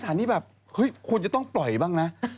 ที่แบบเฮ้ยควรจะต้องปล่อยบ้างนะ